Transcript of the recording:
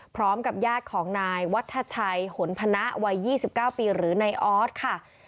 พร้อมกับญาติของนายวัฒนชัยหนพนาใบยี่สิบเก้าปีหรือนัยออสค่ะ